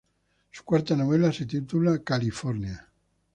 Su cuarta novela se titula California.